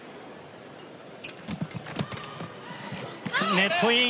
ネットイン。